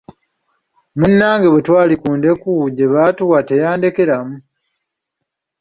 Munnange bwe twali ku ndeku gye baatuwa teyandekeramu.